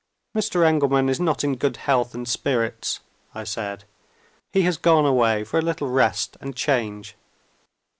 "Mr. Engelman is not in good health and spirits," I said. "He has gone away for a little rest and change."